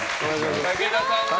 武田さんだ！